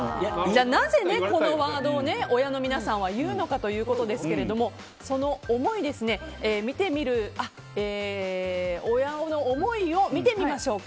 なぜこのワードを親の皆さんは言うのかということですがその思いを見てみましょう。